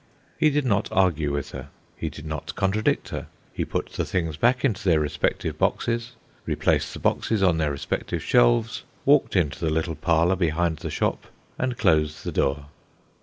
He did not argue with her; he did not contradict her. He put the things back into their respective boxes, replaced the boxes on their respective shelves, walked into the little parlour behind the shop, and closed the door.